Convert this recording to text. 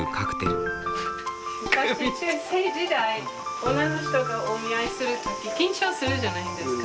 中世時代女の人がお見合いする時緊張するじゃないですか。